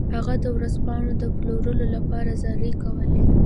هغه د ورځپاڼو د پلورلو لپاره زارۍ کولې.